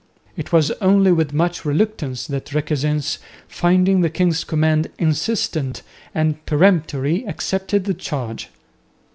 It was only with much reluctance that Requesens, finding the king's command insistent and peremptory, accepted the charge.